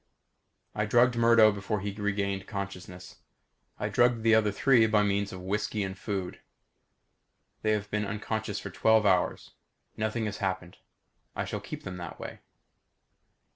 I drugged Murdo before he regained consciousness. I drugged the other three by means of whisky and food. They have been unconscious for twelve hours. Nothing has happened. I shall keep them that way.